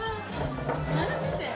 マジで？